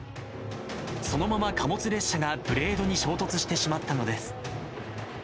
そのまま貨物列車がブレードに衝突してしまったのです。